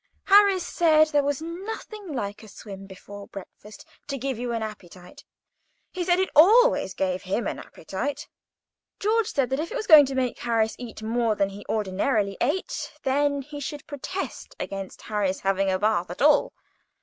Harris said there was nothing like a swim before breakfast to give you an appetite. He said it always gave him an appetite. George said that if it was going to make Harris eat more than Harris ordinarily ate, then he should protest against Harris having a bath at all.